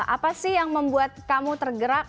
apa sih yang membuat kamu tergerak